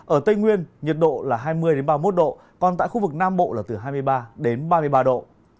ở tây nguyên nhiệt độ là hai mươi ba mươi một độ còn tại khu vực nam bộ là từ hai mươi ba đến ba mươi ba độ